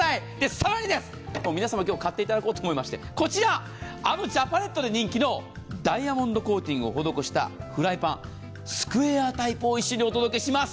更に皆様今日買っていただこうと思いまして、あのジャパネットで人気のダイヤモンドコーティングをしたフライパン、スクエアタイプを一緒にお届けします。